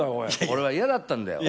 俺は嫌だったんだよ。